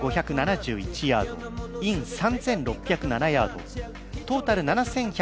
ヤードイン３６０７ヤードトータル７１７８